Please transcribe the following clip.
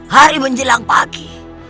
hari menjelang pagi